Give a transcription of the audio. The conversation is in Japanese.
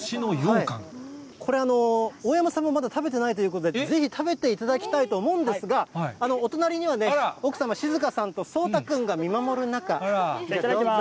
これ、大山さんもまだ食べてないということで、ぜひ食べていただきたいと思うんですが、お隣には、奥様、しずかさんとそうたくんが見守る中、頂きます。